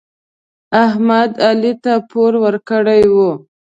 احمد علي ته پور ورکړی و.